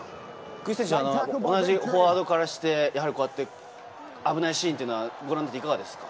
福井選手、同じフォワードからして、危ないシーンというのは、ご覧になってて、いかがですか？